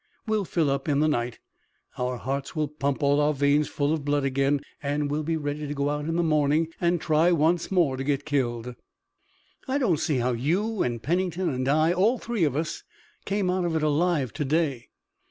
We'll fill up in the night. Our hearts will pump all our veins full of blood again, and we'll be ready to go out in the morning, and try once more to get killed." "I don't see how you and Pennington and I, all three of us, came out of it alive to day."